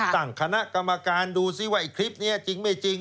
ตั้งคณะกรรมการดูซิว่าไอ้คลิปนี้จริงไม่จริง